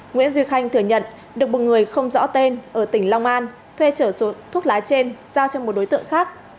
nguyễn duy khanh thừa nhận được một người không rõ tên ở tỉnh long an thuê trở thuốc lá trên giao cho một đối tượng khác